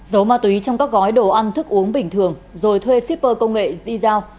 giấu ma túy trong các gói đồ ăn thức uống bình thường rồi thuê shipper công nghệ zi giao